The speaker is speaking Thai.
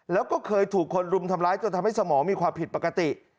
แล้วก็เคยถูกคนรุมทำร้ายจนทำให้สมองมีความผิดปกติ